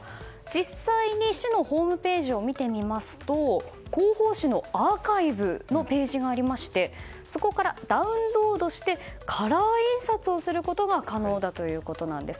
実際、市のホームページを見てみますと広報誌のアーカイブのページがありましてそこからダウンロードしてカラー印刷をすることが可能だということなんです。